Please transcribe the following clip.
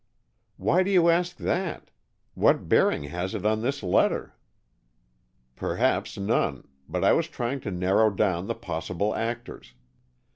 "Why do you ask that? What bearing has it on this letter?" "Perhaps none. But I was trying to narrow down the possible actors.